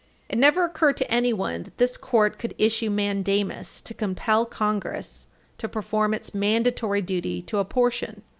It never occurred to anyone that this Court could issue mandamus to compel Congress to perform its mandatory duty to apportion.